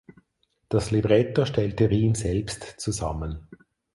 Das Libretto stellte Rihm selbst zusammen.